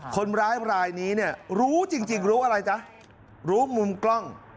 คนร้ายรายนี้เนี่ยรู้จริงรู้อะไรจ๊ะรู้มุมกล้อง